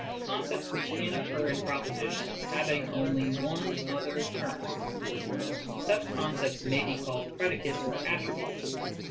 concepts which can occur in propositions having only one other term. Such concepts may be called predicates or attributes.